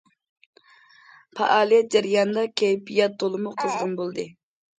پائالىيەت جەريانىدا كەيپىيات تولىمۇ قىزغىن بولدى.